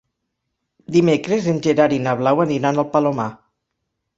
Dimecres en Gerard i na Blau aniran al Palomar.